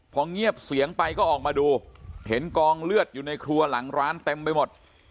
พอเงียบเสียงไปก็ออกมาดูเห็นกองเลือดอยู่ในครัวหลังร้านเต็มไปหมด